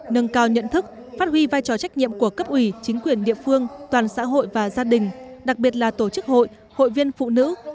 nâng cao nhận thức phát huy vai trò trách nhiệm của cấp ủy chính quyền địa phương toàn xã hội và gia đình đặc biệt là tổ chức hội hội viên phụ nữ